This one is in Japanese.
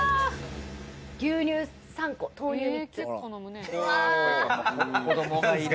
牛乳３個、豆乳３つ。